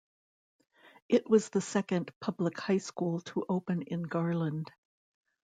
It was the second public high school to open in Garland.